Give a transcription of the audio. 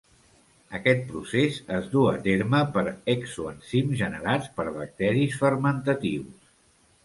Aquest procés es du a terme per exoenzims generats per bacteris fermentatius.